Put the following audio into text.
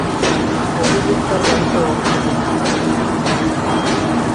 অভিযোগ তার গাড়িতে অস্ত্র মজুত ছিল।